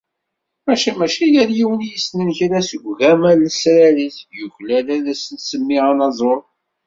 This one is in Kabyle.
Maca, mačči yal win i yessnen kra seg ugama d lesrar-is, yuklal ad as-nsemmi anaẓur.